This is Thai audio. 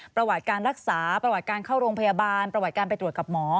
ประวัติการรักษาประวัติการเข้าโรงพยาบาลประวัติการไปตรวจกับหมอ